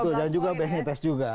betul dan juga benitez juga